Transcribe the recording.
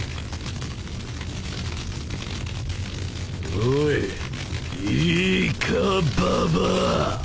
おいいかババア。